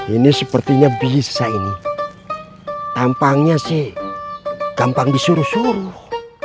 ini sepertinya bisa ini tampangnya sih gampang disuruh suruh